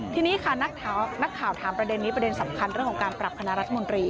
ทีนี้ค่ะนักข่าวถามประเด็นนี้ประเด็นสำคัญเรื่องของการปรับคณะรัฐมนตรี